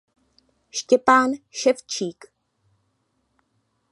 Štěpán Ševčík.